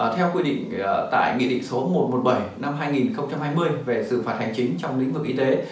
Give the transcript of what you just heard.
theo quy định tại nghị định số một trăm một mươi bảy năm hai nghìn hai mươi về xử phạt hành chính trong lĩnh vực y tế